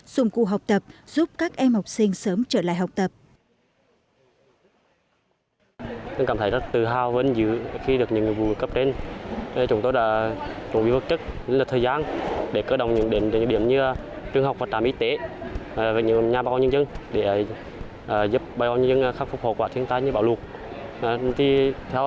dùng cụ học tập giúp các em học sinh sớm trở lại học tập